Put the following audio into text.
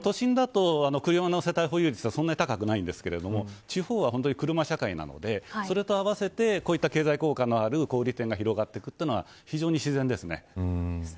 都心だと保有率はそんなに高くないんですが地方は車社会なのでそれと合わせてこういった経済効果のある小売店が広がるのは自然です。